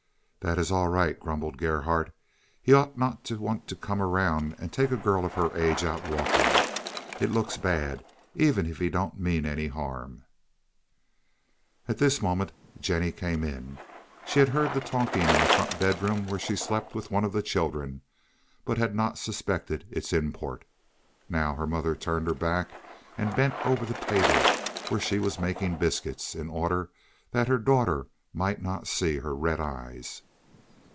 "That is all right," grumbled Gerhardt, "but he ought not to want to come around and take a girl of her age out walking. It looks bad, even if he don't mean any harm." At this moment Jennie came in. She had heard the talking in the front bedroom, where she slept with one of the children, but had not suspected its import. Now her mother turned her back and bent over the table where she was making biscuit, in order that her daughter might not see her red eyes.